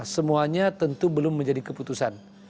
semuanya tentu belum menjadi keputusan